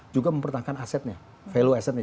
juga mempertahankan asetnya value asetnya